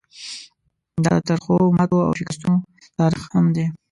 دا د ترخو ماتو او شکستونو تاریخ هم دی.